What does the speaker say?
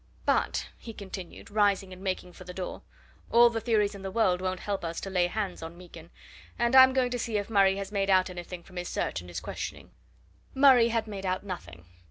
But," he continued, rising and making for the door, "all the theories in the world won't help us to lay hands on Meekin, and I'm going to see if Murray has made out anything from his search and his questioning." Murray had made out nothing.